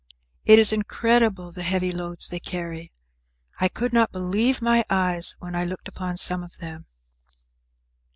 It is incredible the heavy loads they carry. I could not believe my eyes when I looked upon some of them.